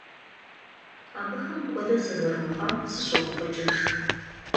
Абыхэм хуэдэ сызэрымыхъуам сыщогуфӀыкӀыж.